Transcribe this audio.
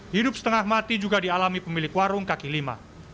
hidup setengah mati juga dialami pemilik warung kaki lima